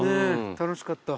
楽しかった。